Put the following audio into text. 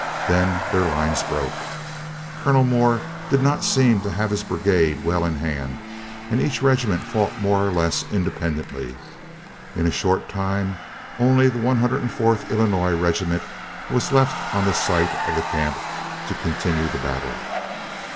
Then their lines broke. Colonel Moore did not seem to have his brigade well in hand, and each regiment fought more or less independently. In a short time only the One Hundred and Fourth Illinois regiment was left on the site of the camp to continue the battle.